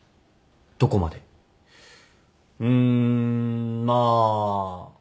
うんまあ